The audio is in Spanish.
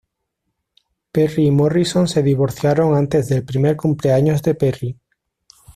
Perry y Morrison se divorciaron antes del primer cumpleaños de Perry.